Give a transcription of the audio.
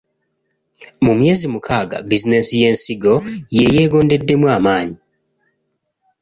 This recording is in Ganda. Mu myezi mukaaga, bizinensi y’ensigo ye yeeyongeddemu amaanyi.